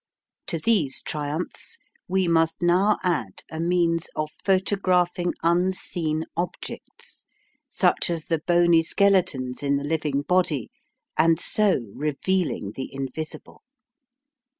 To these triumphs we must now add a means of photographing unseen objects, such as the bony skeletons in the living body, and so revealing the invisible.